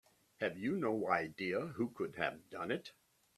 Have you no idea who could have done it?